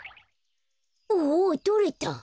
おとれた！